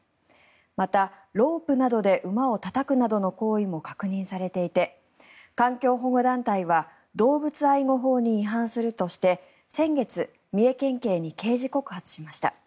また、ロープなどで馬をたたくなどの行為も確認されていて環境保護団体は動物愛護法に違反するとして先月、三重県警に刑事告発しました。